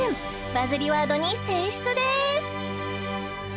バズりワードに選出です